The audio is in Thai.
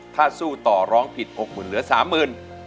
ถ้าสู้ต่อร้องผิด๖๐๐๐เหลือ๓๐๐๐บาท